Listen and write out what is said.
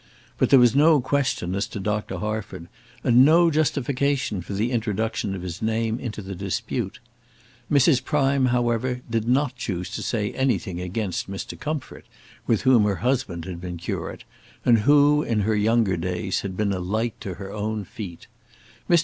But there was no question as to Dr. Harford, and no justification for the introduction of his name into the dispute. Mrs. Prime, however, did not choose to say anything against Mr. Comfort, with whom her husband had been curate, and who, in her younger days, had been a light to her own feet. Mr.